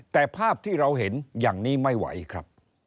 แต่ภาพที่เราเห็นอย่างนี้ไม่ไหวครับ